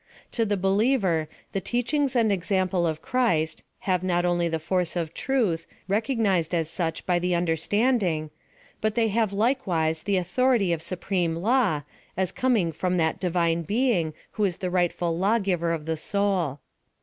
To the be liever, the teachings and example of Christ, have not only the force of truth, recognised as such by the un derstanding, but they have likewise the authority of supreme law, as coming from that divine l^eing, who is the rightful lawgiver of the soul.